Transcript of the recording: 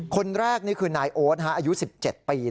คนแรกนี่คือนายโอ๊ตอายุ๑๗ปี